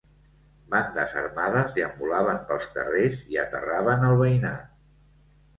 Bandes armades deambulaven pels carrers i aterraven el veïnat.